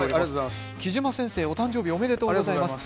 きじま先生、お誕生日おめでとうございます。